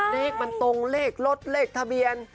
เลขมันตรงเลขรถเลขทะเบียน